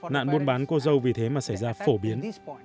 nạn buôn bán cổ dầu vì thế mà xảy ra phổ biến